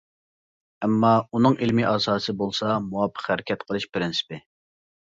ئەمما، ئۇنىڭ ئىلمىي ئاساسى بولسا مۇۋاپىق ھەرىكەت قىلىش پىرىنسىپى.